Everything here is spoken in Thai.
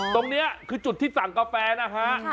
ตรงนี้คือจุดที่สั่งกาแฟนะฮะ